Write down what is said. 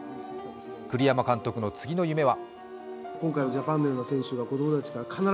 栗山監督の次の夢は。